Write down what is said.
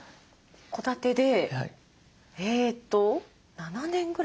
戸建でえと７年ぐらい。